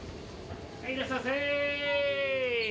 いらっしゃいませ。